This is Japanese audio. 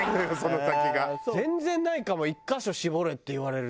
全然ないかも１カ所絞れって言われると。